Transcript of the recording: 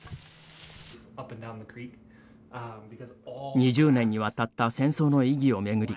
２０年にわたった戦争の意義を巡り